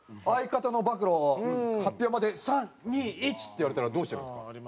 「相方の暴露発表まで３２１」って言われたらどうしてますか？